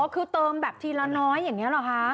คือเติมแบบทีละน้อยอย่างนี้หรอคะ